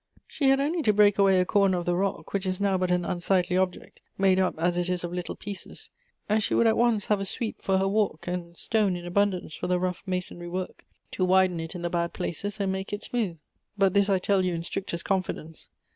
" She had only to break away a corner of the rock, which is now but an un sightly object, made up as it is of little pieces, and she would at once have a sweep for her walk and stone in abundance for the rough masonry work, to widen it in the bad places, and make it smooth. But this I tell you in strictest confidence.